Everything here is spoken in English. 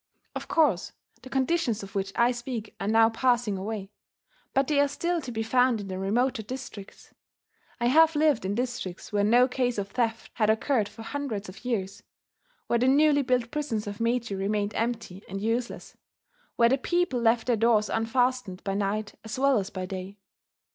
Of course the conditions of which I speak are now passing away; but they are still to be found in the remoter districts. I have lived in districts where no case of theft had occurred for hundreds of years, where the newly built prisons of Meiji remained empty and useless, where the people left their doors unfastened by night as well as by day.